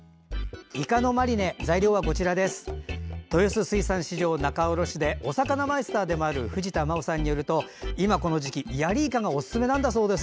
豊洲水産市場仲卸でおさかなマイスターでもある藤田真央さんによると今この時期ヤリイカがおすすめなんだそうです。